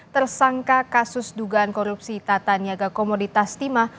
tersangka kasus dugaan korupsi tata niaga komoditas timah